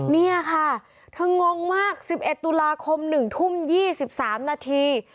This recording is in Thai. นี่ค่ะเธองงมาก๑๑ตุลาคม๑ทุ่ม๒๓นาที